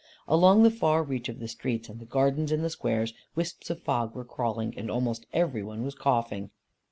Along the far reach of the streets, and the gardens in the squares, wisps of fog were crawling, and almost every one was coughing.